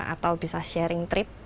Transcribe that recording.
atau bisa sharing trip